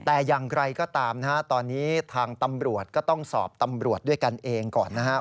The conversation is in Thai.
แต่อย่างไรก็ตามนะฮะตอนนี้ทางตำรวจก็ต้องสอบตำรวจด้วยกันเองก่อนนะครับ